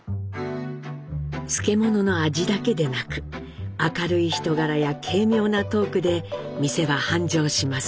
漬物の味だけでなく明るい人柄や軽妙なトークで店は繁盛します。